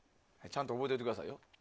ちゃんと覚えといてくださいよ。